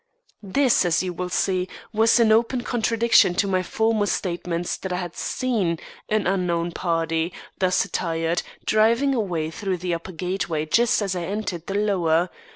This, as you will see, was in open contradiction of my former statements that I had seen an unknown party, thus attired, driving away through the upper gateway just as I entered by the lower.